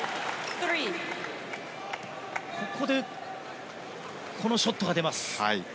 ここでこのショットが出ます。